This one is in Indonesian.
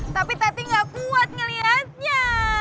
tapi tadi gak kuat ngeliatnya